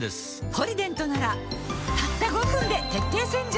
「ポリデント」ならたった５分で徹底洗浄